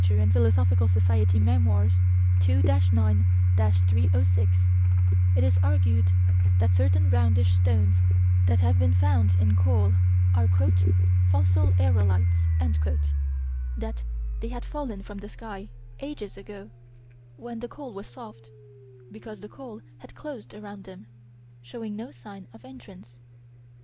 and Phil. Soc. Mems._, 2 9 306, it is argued that certain roundish stones that have been found in coal are "fossil aerolites": that they had fallen from the sky, ages ago, when the coal was soft, because the coal had closed around them, showing no sign of entrance.